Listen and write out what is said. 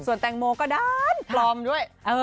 แตงโมก็ด้านปลอมด้วย